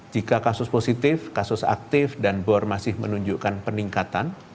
jika kasus positif kasus aktif dan bor masih menunjukkan peningkatan